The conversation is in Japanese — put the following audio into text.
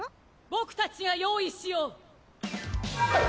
僕たちが用意しよう！